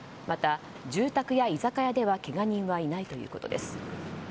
また住宅や居酒屋ではけが人はいないということです。